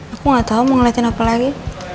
aku gak tau mau ngeliatin apa lagi